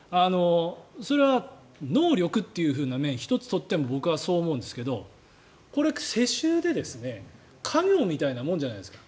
それは能力というふうな面１つとっても僕はそう思うんですがこれ、世襲で家業みたいなものじゃないですか。